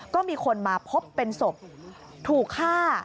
ก็มีคนมาพบเป็นศพถูกฆ่า